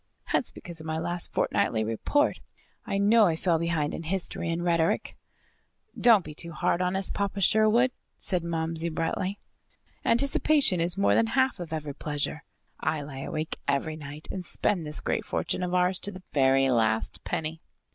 "That's because of my last fortnightly report. I know I fell behind in history and rhetoric." "Don't be too hard on us, Papa Sherwood," said Momsey brightly. "Anticipation is more than half of every pleasure. I lie awake every night and spend this great fortune of ours to the very last penny."